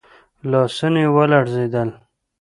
لاسونه يې ولړزېدل.